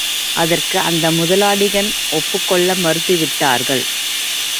அதற்கு அந்த முதலாளிகள் ஒப்புக் கொள்ள மறுத்துவிட்டார்கள்.